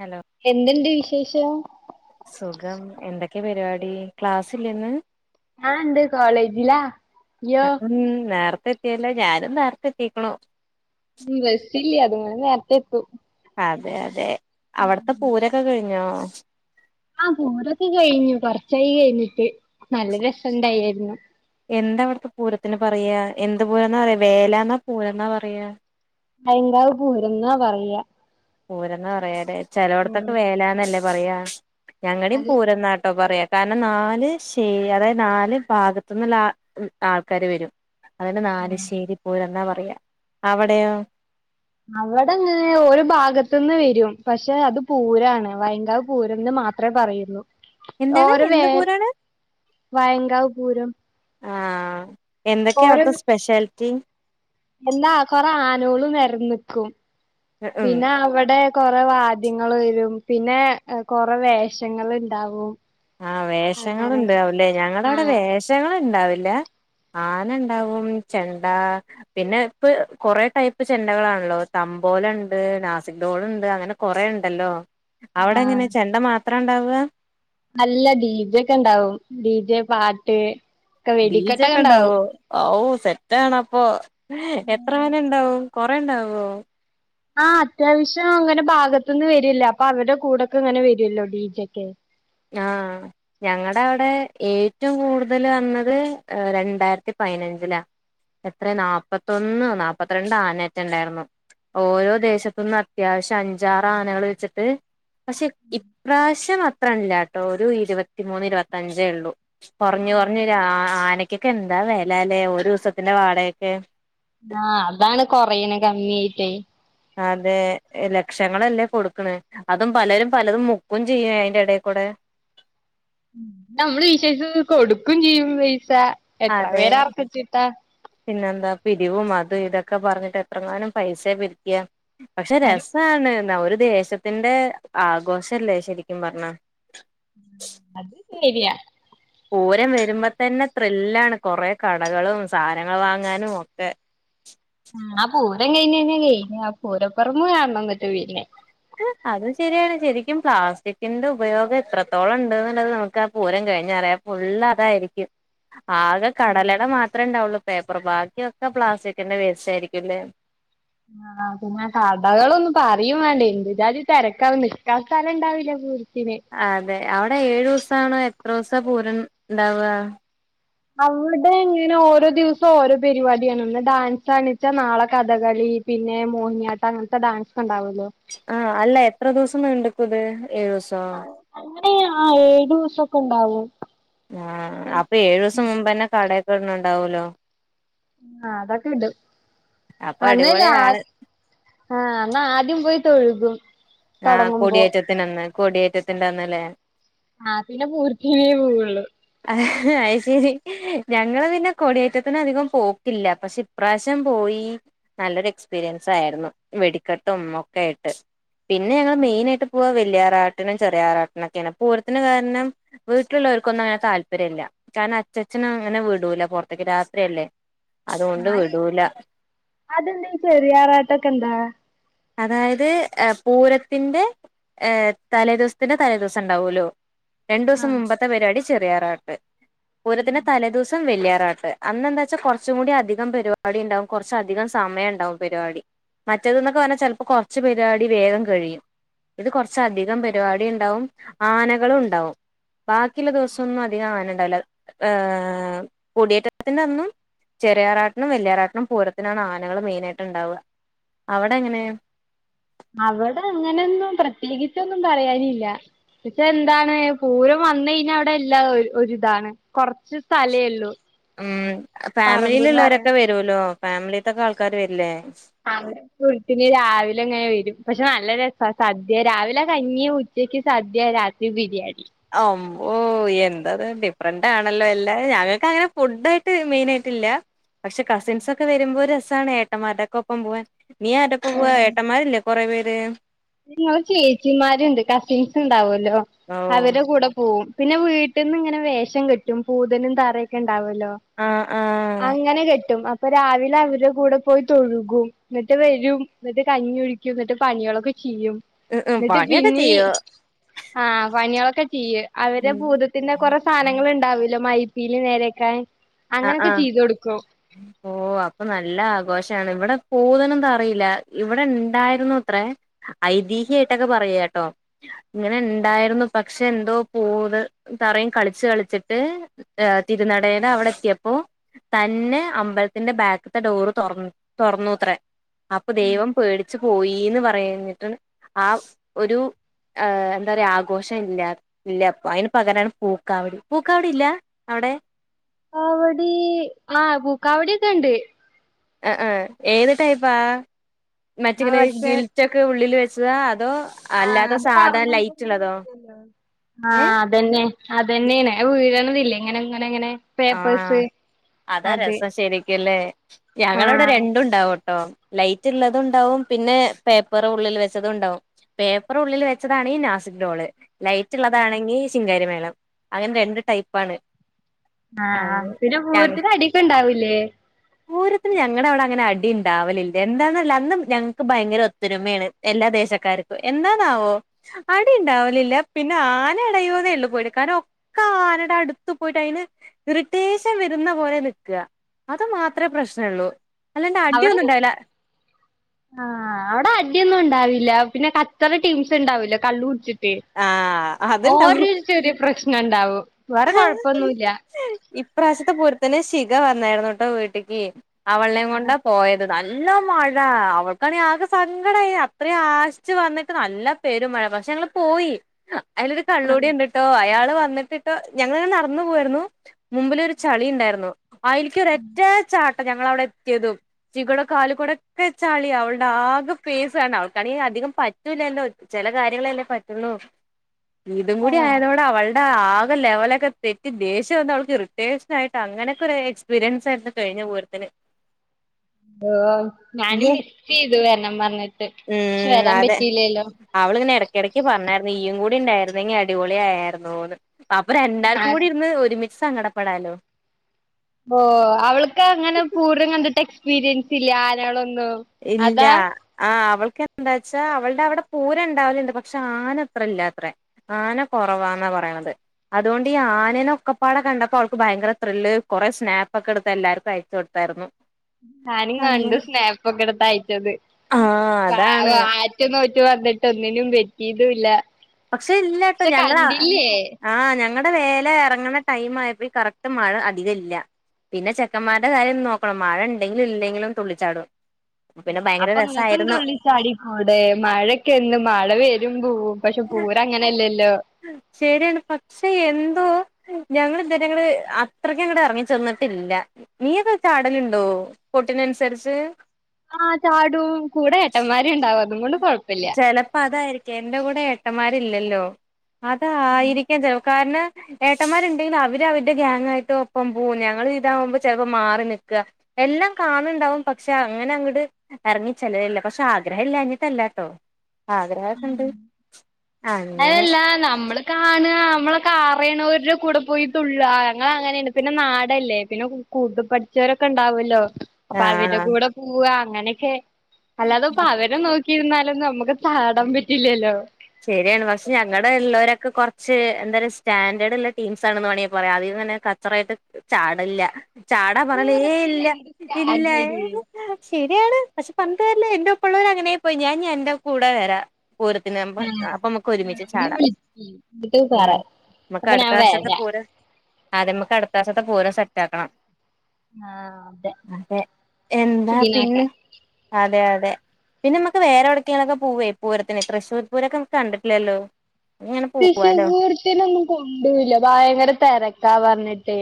Hello എന്തുണ്ട് വിശേഷം സുഖം, എന്തൊക്കെപരിപാടി ക്ലാസില്ലെന്ന് ആണ്ട് കോളേജിലാ ഇയ്യോ ഉം നേരത്തെ എത്തിയല്ലോ ഞാനും നേരത്തെ എത്തിക്കണോ ഉം ബസ് ഇല്ല അത് [unintelligible] ഇത്ത് അതെ അതെ അവിടത്തെ പൂരൊക്കെ കഴിഞ്ഞോ ആഹ പൂരൊക്കെ കഴിഞ്ഞു കൊറച്ചായി കഴിഞ്ഞിട്ട് നല്ല രസ ഇണ്ടായിരുന്നു എന്താ അവിടത്തെ പൂരത്തിന് പറയാ എന്ത് പൂരന്നാ പറയാ വേലന്നാ പൂരന്നാ പറയാ ഭയങ്കാവ് പൂരന്നാ പറയാ പൂരന്നാ പറയാല്ലെ.. ഉം ചെലോട്ത്തൊക്കെ വേലാന്നല്ലേ പറയാ ഞങ്ങടിം അത് പൂരന്നാട്ടോ പറയാ കാരണം നാല് ശയ്യ അതായത് നാല് ഭാഗത്ത്ന്ന്ള്ള ആ ആൾക്കാര് വരും. അതെന്നെ നാലിശ്ശേരി പൂരന്നാ പറയാ അവടെയോ? അവടങ്ങനെ ഒരു ഭാഗത്ത്ന്ന് വരും പക്ഷെ അത് പൂരാണ് വൈങ്കാവ് പൂരന്ന് മാ ത്രമേ പറയുള്ളു എന്താണ് ഓരോ എന്ത് വേൽ പൂരാണ് വയങ്കാവ് പൂരം എന്തൊക്കെയ ഓരോ അവിടുത്തെ സ്പെഷ്യാലിറ്റി എന്താ കൊറെ ആനോളും നെര്ന്ന്ക്കും ഉം പിന്നെ അവടെ കൊറെ വാദ്യങ്ങൾ വരും, പിന്നെ കൊറെ വേഷങ്ങൾണ്ടാവും ആഹ് വേഷങ്ങൾണ്ടാവുംല്ലേ... ഞങ്ങളവിടെ ആഹ് വേഷങ്ങൾണ്ടാവില്ല ആന ണ്ടാവും... ചെണ്ടാ... പിന്നെ ഇപ്പ ഹ് കൊറെ ടൈപ്പ് ചെണ്ടകളാണല്ലോ തമ്പോലണ്ട് നാസിക് ഡോൾ ണ്ട് അങ്ങനെ കൊറെ ണ്ടല്ലോ, ആഹ് അവടെങ്ങനെ ചെണ്ട മാത്രാ ണ്ടാവ്യാ? നല്ല ഡിജെ ക്കെണ്ടാവും, ഡിജെ പാട്ട് ക്കെ ഡി ജെ വെടിക്കെട്ടൊക്കെ ഒക്കെ ഉണ്ടാവും. ഉണ്ടാവോ ഔ സെറ്റാണ അപ്പൊ എത്ര ആന ഉണ്ടാവും കൊറെ ഉണ്ടാവ്യോ ആഹ് അത്യാവശ്യം അങ്ങനെ ഭാഗത്ത്ന്ന് വര്യല്ലെ അപ്പൊ അവരുടെ കൂടൊക്കെ ങ്ങനെ വരുല്ലോ ഡീ ജെ ക്കെ ആഹ്.. ഞങ്ങടെ അവിടെ ഏറ്റവും കൂടുതൽ വന്നത് രണ്ടായിരത്തി പതിനഞ്ചിലാ. എത്രെ നാല്പ്പത്തൊന്ന നാല്പത്ത്രണ്ട് ആനെക്കെണ്ടായിർന്നു ഓരോ ദേശത്ത്ന്ന് അത്യാവശ്യം അഞ്ചാറ് ആനകൾ വെച്ചിട്ട് പക്ഷെ ഇപ് ഇപ്രാശ്യം അത് അല്ലാട്ടോ ഒരു ഇരുപത്തിമൂന്ന് ഇരുപത്തഞ്ചേള്ളൂ ക്കെറ്ഞ്ഞ് ക്കെറ്ഞ്ഞ് ഒര് ആ ആന ക്കെ ക്കെന്താ വെല ല്ലേ ഒരൂസത്തിന്റെ വാടകൊക്കെ ആഹ് അതാണ് കൊറയ്ണ കമ്മ്യായിട്ടേ അതെ ലക്ഷങ്ങളല്ലേ കൊട്ക്ക്ണേ.. അതും പലരും പലതും മുക്കും ചെയ്യും അയിൻ്റെടെക്കൂടെ.. നമ്മള് വിശേഷ [unintelligible] കൊടുക്കും ചെയ്യും പൈസ എത്ര അതെ പേര് അർപ്പിച്ചിട്ടാ പിന്നെന്താ പിരിവും അതും ഇതൊക്കെ പറഞ്ഞിട്ട് എത്രങ്ങാനും പൈസെ പിര്ക്ക്യാ പക്ഷെ രസാണ് ന്ന ഒരു ദേശത്തിന്റെ ആഘോഷല്ലേ ശരിക്കും പറഞ്ഞാ അത് ശരിയ പൂരം വരുമ്പോ തന്നെ ത്രില്ലാണ് കുറേ കടകളും സാനങ്ങൾ വാങ്ങാനും ഒക്കെ ആ പൂരം കഴിഞ്ഞയിഞ്ഞ കയ്ഞ്ഞി ആ പൂരപ്പറമ്പ് കാണ്ന്നട്ട് പിന്നെ അത് ശരിയാണ് ശരിക്കും പ്ലാസ്റ്റിക്കിന്റെ ഉപയോഗം എത്രത്തോളണ്ട്ന്ന്ള്ളത് നമുക്ക് ആ പൂരം കഴിഞ്ഞറിയാം ഫുൾ അതായിരിക്കും ആകെ കടലട മാത്രെ ണ്ടാവുള്ളൂ. പേപ്പർ ബാക്കി ഒക്കെ പ്ലാസ്റ്റിക്ൻ്റെ വേസ്റ്റ് ആയിരിക്കുംല്ലേ ആ പിന്നെ കടകളൊന്നും പറയുവേണ്ട എന്തുജാതി തിരക്കാവും നിൽക്കാ സ്ഥലണ്ടാവില്ല പൂരത്തിന് അതെ അവിടെ ഏഴൂ സാണോ എത്രൂസ പൂരം ണ്ടാവ്യാ.. അവ്ടെങ്ങനെ ഓരോ ദിവസം ഓരോ പരിപാടിയാണ് ഇന്ന് ഡാൻസാണിച്ചാ നാളെ കഥകളി പിന്നെ മോഹിനിയാട്ട അങ്ങൻത്തെ ഡാൻസ് ണ്ടാവല്ലോ ആഹ് അല്ല എത്ര ദിവസം നീണ്ട്ക്കുംത് ഏഴു ദിവസോ അങ്ങനെ ആ ഏഴുസംക്കെണ്ടാവും ആഹ് അപ്പൊ ഏഴുസം മുമ്പന്നെ കടെക്കെട്ന്ന്ണ്ടാവല്ലോ ആഹ് അതൊക്കെണ്ട് അപ്പൊ അന്നല്ലേ ആ അടിപൊളിയാണ് ആണ എന്നാ ആദ്യം പോയി തൊഴുകും ആഹ് തുടങ്ങുമ്പോ കൊടിയേറ്റത്തിനന്ന് കോടിയേറ്റത്തിന്റെന്ന്ല്ലേ ആഹ് പിന്നെ പൂരത്തിവേ പോവുള്ളു.. അഹ് അഹ് ശരി ഞങ്ങള് പിന്നെ കൊടിയേറ്റത്തിന് അധികം പോക്കില്ല പക്ഷെ ഇപ്രാവശ്യം പോയി, നല്ലൊരു എക്സ്പീരിയൻസ് ആയിർന്നു. വെടിക്കെട്ടും, ഒക്കെ ആയിട്ട്. പിന്നെ, ഞങ്ങൾ മെയിനായിട്ട് പോവാ വെല്ല്യാറാട്ട് ട്ടിനും ചെറിയാറാട്ടനൊക്കെയാണ് പൂരത്തിന് കാരണം വീട്ടിലുള്ളോർക്കൊന്നും താല്പര്യല്ല കാരണം അച്ഛച്ചനങ്ങനെ വീടൂല പുറത്തേക്ക് രാത്രിയല്ലേ അതുകൊണ്ട് ആയി വിടൂല അതെന്തേ ചെറിയാറാട്ടൊക്കെന്താ? അതായത് ഏ പൂരത്തിന്റെ ഏഹ് തലേദിവ്സ്ത്തിന്റെ തലേ ദിവസം ഇണ്ടാവുല്ലോ രണ്ടോസം ആ മുമ്പത്തെ പരിപാടി ചെറിയാറാട്ട് പൂരത്തിന്റെ തലേ ദിവസം വല്ല്യാറാട്ട് അന്ന്ന്താ ച്ചാ കൊർച്ചും കൂടി അധികം പരിപാടിണ്ടാവും കൊർച്ചധികം സമയണ്ടാവും പരിവാടി മറ്റേതെന്നൊക്കെ പറഞ്ഞാ ചില് പ്പോ കൊർച്ച് പരിവാടി വേഗം കഴിയും ഇത് കൊർച്ചധികം പരിപാടി ഇണ്ടാവും ആനകളും ഉണ്ടാവും ബാക്കിയിള്ള ദിവ്സ് ഇവടെങ്ങും അധികം ആനണ്ടാവില്ല ഏ കുടിയേറ്റത്തിന്റെ അന്നും ചെറിയ ആറാട്ട്നും വെല്ല്യാറാട്ട്നും പൂരത്തിനാണ് ആനകള് മെയിനായിട്ട്ണ്ടാവ്വ അവടെങ്ങനെ? അവടെ അങ്ങനെയൊന്നും പ്രത്യേകിച്ചൊന്നും [unintelligible] ക്ഷെ എന്താണ് പൂരം വന്നഴിഞ്ഞാ അവിടെ എല്ലാ ഒര് ഒരിതാ. കൊറച്ച് സ്ഥലേല്ലൂ ഉം ഫാമിലിയിലുള്ളവരൊക്കെ വെരുല്ലോ ഫാമിലിത്തൊക്കെ ആൾക്കാര് വെര്ല്ലേ? ആ [unintelligible] രാവിലെങ്ങനെ വരും പക്ഷെ നല്ല രസാ സദ്യ രാവിലെ കഞ്ഞിയും ച്ചക്ക് സദ്യ രാത്രി ബിരിയാണി അമ്പോ എന്താത് ഡിഫ്രണ്ടാണല്ലോ എല്ലാ ഞങ്ങക്കങ്ങനെ ഫുഡായിട്ട് മെയിനായിട്ടില്ല പക്ഷെ കസിൻസൊക്കെ വെരുമ്പോ ഒരസാണേ ഏട്ടമാരക്കെ ഒപ്പം പോവാൻ നീ ആരെപ്പോ പോവാ ഏട്ടൻമാരില്ലേ കൊറേ പേര് നിങ്ങള് ചേച്ചിമാര്ണ്ട് കസിൻസ്ണ്ടാവുല്ലോ ഓ അവരെ കൂടെ പോവും പിന്നെ വീട്ട്ന്നിങ്ങനെ വേഷം കെട്ടും പൂതനും തറയൊക്കെണ്ടാവല്ലോ ആഹ് ആഹ് അങ്ങനെ കെട്ടും അ അപ്പൊ രാവിലെ അവര്ടെ കൂടെ പോയി തൊഴുകും എന്നിട്ട് വെരും എന്നിട്ട് കഞ്ഞി കുടിക്കും എന്നിട്ട് പണികളൊക് യ്യും ഉം ഉം എന്നിട്ട് പണിയൊക്കെ പിന്നീ ചെയ്യോ ആഹ് പനിയേളൊക്കെ ചെയ്യേ അവരെ ഉം ഭൂതത്തിന്റെ കൊറേ സാനങ്ങള്ണ്ടാവുലോ മൈ പീലി നേരെക്കാൻ അങ്ങനെയൊക്കെ ചെയ്തൊടുക്കും ഓഹ് ഓ അപ്പം നല്ല ആഘോഷാണ് ഇവടെ പൂതനും തറിയും ഇല്ല ഇവടെണ്ടായിരുന്നുത്രേ ഐതിഹ്യയിട്ടൊക്കെ പറയാട്ടോ ഇങ്ങനെണ്ടായിരുന്നു പക്ഷെ എന്തോ പൂത് തറയും കളിച്ച് കളിച്ചിട്ട് ഏ തിരുനടേടവടെ ത്തിയപ്പോ തന്നേ അമ്പലത്തിന്റെ ബാക്ക്ത്തെ ഡോറ് തൊറന്ന് തൊറന്നുത്രേ അപ്പം ദൈവം പേടിച്ചു പോയിന്ന് പറയിഞ്ഞിട്ടും ആ ഒരു ആഹ് എന്താറിയാ ആഘോഷ ഇല്ല ഇല്ല അയിന് പകരാണ് പൂക്കവടി പൂക്കാവടില്ലാ അവടെ കാവടി ആ പൂക്കാവടിയൊക്കെ ഒണ്ട് ആ ഹ ഏത് ടൈപ്പാ ആഹ് മറ്റിങ്ങനെ മറ്റേ ഗിൽ റ്റക്ക് ഉള്ളില് വെച്ചതാ അതോ ആഹ് അല്ലാത്ത അത് സാധാ ലൈറ്റ് ഉള്ളതോ [unintelligible] ഏ ആഹ് അതന്നെ അതന്നെണ് വീഴലോന്നുല്ല ഇങ്ങനെ അങ്ങനങ്ങനെ ആഹ്.., അതാ രസം ശരിക്കുല്ലേ? ഞങ്ങളവിടെ ആഹ് രണ്ടുംണ്ടാവു ട്ടോ, ലൈറ്റ് ള്ളതുണ്ടാവും പിന്നെ, പേപ്പറ് ഉള്ളിൽ വെച്ചതുണ്ടാവും. പേപ്പറ് ഉള്ളിൽ വെച്ചതാണ് ഈ നാസിക് ഡോള്. ലൈറ്റ് ഇള്ളതാണെങ്കി ശിങ്കാരിമേളം അങ്ങനെ രണ്ട് ടൈപ്പാണ് അങ്ങ ആഹ് പിന്നെ പൂര്ത്തിന് അടിയെക്ക് ഇണ്ടാവുല്ലേ? പൂരത്ത്ന് ഞങ്ങടെ അവിടെ അങ്ങനെ അടിണ്ടാവലില്ല. എന്താന്നല്ല, അന്ന് ഞങ്ങക്ക് ഭയങ്കര ഒത്തൊരുമേണ് എല്ലാ ദേശക്കാർക്കും എന്നാനാവോ? അടിണ്ടാവലില്ല പിന്നെ ആന എടയൂന്നെ ഒള്ളു പോലികാരോ ക്കാ ആനടെ അട്ത്ത്പോയിട്ട് അയിന് ഇറിറ്റേഷൻ വെര്ന്ന പോലെ നിക്കാ അത് മാത്രേ പ്രശ്നൊള്ളൂ അല്ലാണ്ട് അവിടെ അടിയൊന്നുംണ്ടായില്ല ആഹ്, അവിടെ അടിയൊന്നും ഉണ്ടാവില്ല. പിന്നെ, കച്ചറ ടീംസ് ഉണ്ടാവില്ലേ? കള്ളു കുടിച്ചിട്ട് ട്ട്. ആഹ് അത്ണ്ടാവും ഓര്, ചെറിയ പ്രശ്നണ്ടാവും. വേറെ കൊഴപ്പൊന്നുല്ല. ഇപ്രാവശ്യത്തെ പൂരത്തില് ശിഖ വന്നായിരുന്നുട്ടോ വീട്ടക്ക്, അവളേം കൊണ്ടാ പോയത്. നല്ല മഴ. അവൾക്കാണേ ആകെ സങ്കടായി, അത്രേം ആശിച്ച് വന്നിട്ട് നല്ല പെരും മഴ. പക്ഷെ, ഞങ്ങള് പോയി. അയ്ലൊരു കള്ളൂടേൻ ണ്ട്ട്ടോ, അയാള് വന്നിട്ട് ട്ട്, ഞങ്ങൾ നടന്നു പോവായിരുന്നു, മുമ്പിലൊരു ചളി ണ്ടായിരുന്നു, അയിൽക്കൊരൊറ്റ ചാട്ടം ഞങ്ങൾ അവിടെ എത്തേതും ശിഘേടെ കാലികൂടൊക്കെ ചളിയാ. അവളുടെ ആകെ ഫേസ് ണ്, അവൾക്കാണെയ് അധികം പറ്റ പറ്റൂല്ലല്ലോ? ചില കാര്യങ്ങളല്ലേ പറ്റൊള്ളൂ! ഇതും കൂടി ആഹ് ആയതോടെ അവളുടെ ആ കെ ലെവലൊക്കെ തെറ്റി, ദേഷ്യം വന്ന് അവൾക്ക് ഇറിട്ടേഷൻ ആയിട്ട്, അങ്ങനൊക്കെ ഒരു എക്സ്പീരിയൻസ് ആയിരുന്നു കഴിഞ്ഞ പൂരത്തിന്. [inaudible] ഓഹ്, ഞാന് ഇയ്യേ മിസ്സെയ്തു, വെര്ണം പറഞ്ഞിട്ട്. പക്ഷെ, ഉം അതെ വരാമ്പറ്റില്ലല്ലോ. ! അവളിങ്ങനെ എടക്കെടയ്ക്ക് പറഞ്ഞായിരുന്നു, ഈയും കൂടി ഉണ്ടായിര്ന്നെങ്കിൽ അടിപൊളിയായേര്ന്നുന്ന്. അപ്പൊ രണ്ടാർക്കും ആഹ് കൂടി ഇരുന്ന്, ഒരുമിച്ച് സങ്കടപ്പെടാലോ. ! [unintelligible] അവൾക്ക് അങ്ങനെ പൂരം കണ്ടിട്ട് എക്സ്പീരിയൻസ് ഇല്ല്യ, ആനേളൊന്നും ഇല്ല ആഹ്, അവൾക്കെന്താച്ചാ, അവളുടെ അവിടെ പൂരം ഇണ്ടാവല്ണ്ട്. പക്ഷെ, ആന അത്ര ഇല്ലാത്രേ. ആന കൊറവാന്നാ പറേണത്. അതോണ്ട്, ഈ ആനെനെ ഒക്കപ്പാടെ കണ്ടപ്പോ അവൾക്ക് ഭയങ്കര ത്രില്ല്. കൊറെ സ്നാപ്പക്കെ എടുത്ത് എല്ലാർക്കും അയച്ച് കൊടു ത്താര്ന്നു. ഞാനും കണ്ട്, സ്നാപ്പൊക്കെ ഇട്ത്തയച്ചത്. ആഹ് അതാണ് [unintelligible] ആറ്റ് നോറ്റു വന്നിട്ട് ഒന്നിനും പറ്റീതുംല്ല. പക്ഷെ, ഇല്ലാട്ടോ! ഞങ്ങള ആഹ്, ഞങ്ങളടെ വേല എറങ്ങണ ടൈം ആയപ്പോയ് കറക്റ്റ് മഴ അധികം ഇല്ല. പിന്നെ, ചെ ചെക്കന്മാരുടെ കാര്യം നോക്കണം. മഴ ണ്ടെങ്കിലും ഇല്ലെങ്കിലും തുള്ളിച്ചാടും. പിന്നെ ഭയങ്കര രസമായിരുന്നു. ചാടിക്കൂടെ? മഴൊക്കെ എന്നും, മഴ വരും പോവും പക്ഷെ, പൂരങ്ങനെല്ലല്ലോ? ശെരിയാണ്. പക്ഷേ, എന്തോ ഞങ്ങള് ഇന്നലെ ങ്ങള്, അത്രയ്ക്കങ്ങട് എറങ്ങിചെന്നിട്ടില്ല. നീയൊക്കെ ചാടല്ണ്ടോ? കൊട്ടിനൻസരിച്? ആഹ്, ചാടും. കൂടെ ഏട്ടന്മാർ ണ്ടാവും. അതും കൊണ്ട് കൊഴപ്പം ചെലപ്പോ അതായിരിക്കും, എന്റെ കൂടെ ഏട്ടന്മാരില്ലല്ലോ!. അതായിരിക്കാം ചെലർക്. കാരണം, ഏട്ടന്മാര്ണ്ടേൽ, അവര് അവരുടെ ഗ്യാങ്ങായിട്ട് ഒപ്പം പോകും. ഞങ്ങൾ ഇതാവുമ്പോ ചെൽപ്പൊ, മാറി നിക്ക എല്ലാം കാണ് ണ്ടാവും. പക്ഷെ, അങ്ങനെ അങ്ങട് എറങ്ങി ചെല്ലലില്ല. പക്ഷെ, ആഗ്രഹം ഇല്ലഞ്ഞിട്ടല്ലാട്ടോ. ട്ടോ! ആഗ്രഹൊക്കെണ്ട്. അങ്ങനെ, നമ്മൾക്കറീനോര്ടെ കൂടെ പോയി തുള്ളാ. ഞങ്ങൾ അങ്ങനേണ്. പിന്നെ, നാടല്ലേ? പിന്നെ കൂട് പഠിച്ചോരൊക്കെ ണ്ടാവൊല്ലോ!. അപ്പൊ അവര്ടെ ആഹ് കൂടെ പോവാ അങ്ങനെക്കെ, അല്ലാതെ ഇപ്പൊ അവരെ നോക്കിയിരുന്നാലൊന്നും മ്മക് ചാടാൻ പറ്റില്ലല്ലോ? ശെരിയാണ്. പക്ഷെ, ഞങ്ങടെ ള്ളോരൊക്കെ കൊറച്ച്, എന്താ പറയ സ്റ്റാന്റേർഡ്ള്ള ടീംസാണെന്ന് വേണേൽ പറയാം. അതീന്നന്നെ ഇത്രായിട്ട് ചാടല്ല്യ. ചാടാ പറാല്, ഏയ് പൂരത്തിന് ഇല്ല. എന്ത് ഇല്ല, ഏയ് സ്റ്റാൻഡേർഡ് ആ ശരിയാണ് പ ക്ഷ പരന്നിട്ട് കാര്യലെയ് എന്റെറെ ഒപ്പള്ളർ അങ്ങനായി യി പോയി ഞാൻ ഇനിഅൻന്റെറെ കൂടെ വരാ പൂരത്തിനാമ്പോ അപ്പൊ മ്മക്ക് ഒരുമിച്ച് ഞാൻ ചാടാ. വിളിക്ക് എന്നിട്ട് പറ ഉം. മ്മക്ക് അപ്പൊ അടുത്ത ഞാൻ വരാ വർഷത്തെ പൂര അതെ, മ്മക്ക് അടുത്ത വർഷത്തെ പൂരം സെറ്റാക്കണം. അതെ, എന്താ പിന്നെ? ക്ലീനാക്കാൻ അതെ അതെ പിന്നെ നമുക്ക് വേറെ എവിടക്കിലൊക്കെ പോവേ പൂരത്തിന് തൃശ്ശൂർ പൂരൊക്കെ കണ്ടിട്ടില്ലല്ലോ ഇങ്ങനെ പോവാലോ ശിശുഹൂർത്തിനൊന്നും കൊണ്ടുല്ല ഭയങ്കര തരക്കാ പറഞ്ഞിട്ടേ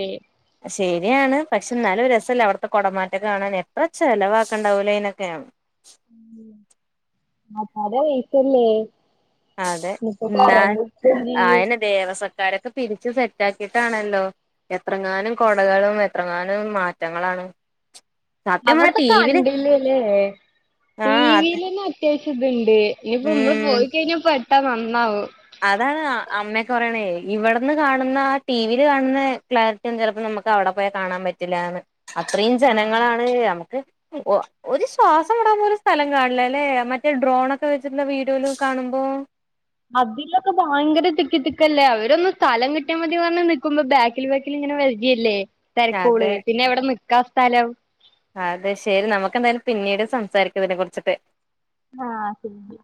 ശരിയാണ് പക്ഷെ ന്നാലും രസല്ലെ അവടത്തെ കുടമാറ്റക്കെ കാണാൻ എത്ര ചെലവാകുണ്ടാവൂലേ അയി നൊക്കെ ഉം അത വിസല്ലേ [unintelligible] അതെ നിപ്പോ കറ എന്നാ മുഖി [unintelligible] ആയന്നെ ദേവസക്കാരൊക്കെ പിരിച്ച് സെറ്റ് ആക്കിട്ടാണല്ലോ എത്രങ്ങാനും കൊടകളും എത്രങ്ങാനും മാറ്റങ്ങളാണ് സത്യം പറഞ്ഞ അവിടനന്ന് ടി ത്തെക്കെ വില് കണ്ടില്ലല്ലേ ടി ആഹ് അതെ വിൽന്നെ അത്യാശം ഇത്ണ്ട് ഇനിയിപ്പോ മ്മള് ഉം പോയി കഴിഞ്ഞാ പെട്ടാ വന്നാവോ അതാണ് അമ്മക്കറയണ ഇവടുന്ന് കാണുന്ന ആ ടി വിൽ കാണുന്ന ക്ലാരി ചിലപ്പോ ഞമ്മ ക്ക് അവിടെ പോയാ കാണാൻ പറ്റില്ലന്ന് അത്രയും ആഹ് ജനങ്ങളാണ് അപ്പൊ ഓ ഒരു ശ്വാസം വിടാ പോലും സ്ഥലം കാണ്‌ല ല്ലെ മറ്റേ ഡ്രോണൊക്കെ വെച്ച്ട്ട്ള്ള വീഡിയോൽ കാണുമ്പോ അതിലൊക്കെ ഭയങ്കര തിക്കി തിക്കല്ലേ അവരൊന്നന്ന് സ്ഥലം കിട്ടാമതി പറഞ് നിക്കുമ്പോ ബേ വെക്കിൽ വെക്കിൽ ഇങ്ങനെ വരില്ലേ തരക്കൊൾ അതെ പിന്നെ എവടെ നിക്കാ സ്ഥലം അതെ ശെരി നമുക്കെന്തായാലും പിന്നീട് സംസാരിക്കാം ഇതിനെ കുറിച്ചിട്ട് ആഹ് ശരി